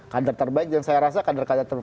kader terbaik dan saya rasa kader kader